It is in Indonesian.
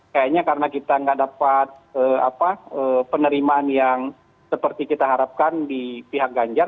kayaknya karena kita nggak dapat penerimaan yang seperti kita harapkan di pihak ganjar